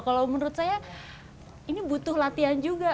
kalau menurut saya ini butuh latihan juga